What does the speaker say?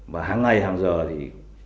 và hàng ngày hàng giờ thì